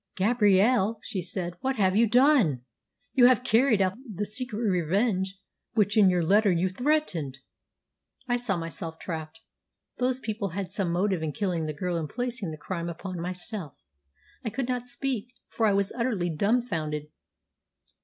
'Gabrielle,' she said, 'what have you done? You have carried out the secret revenge which in your letter you threatened!' I saw myself trapped. Those people had some motive in killing the girl and placing this crime upon myself! I could not speak, for I was too utterly dumfounded."